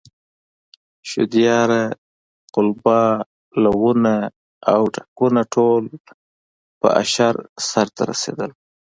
شودیاره، قلبه، لوونه او ډاګونه ټول په اشر سرته رسېدل.